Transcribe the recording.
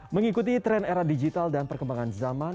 mengikuti tren era digital dan perkembangan zaman